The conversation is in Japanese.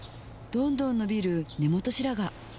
どんどん伸びる根元白髪